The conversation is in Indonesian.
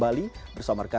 dan itu sangat berbahaya